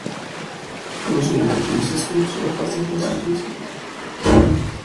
El conocimiento entonces es construido a partir de las experiencias individuales.